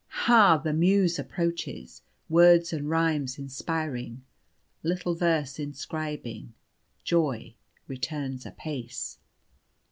"Ha! the Muse approaches, Words and rhymes inspiring, Little verse inscribing, Joy returns apace.